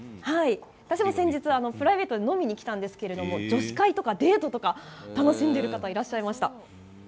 私も先日プライベートで飲みに来たんですけど女子会とかデートとか楽しんでる方いらっしゃいました。